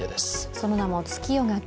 その名も、月夜牡蠣。